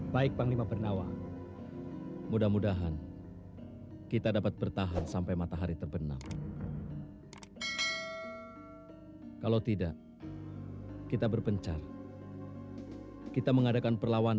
baik panglima pernawa